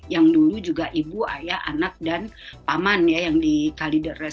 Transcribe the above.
yang dulu juga ibu ayah anak dan paman ya yang di kalideres